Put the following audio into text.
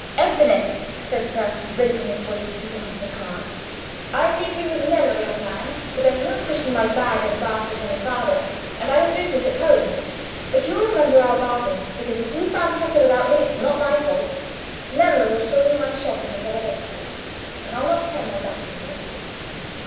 "Ebbene," said Bratti, raising his voice to speak across the cart; "I leave you with Nello, young man, for there's no pushing my bag and basket any farther, and I have business at home. But you'll remember our bargain, because if you found Tessa without me, it was not my fault. Nello will show you my shop in the Ferravecchi, and I'll not turn my back on you."